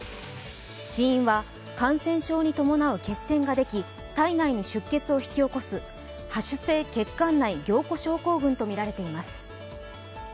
死因は感染症に伴う血栓ができ体内に出血を引き起こす播種性血管内凝固症候群とみられています。